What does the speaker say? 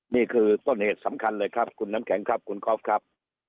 นี่คือต้นเหตุสำคัญเลยครับคุณน้ำแข็งครับคุณก๊อฟครับ